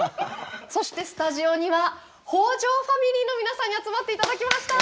そしてスタジオには北条ファミリーの皆さんに集まっていただきました。